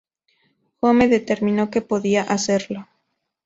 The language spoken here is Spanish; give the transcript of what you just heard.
Home determinó que podía hacerlo.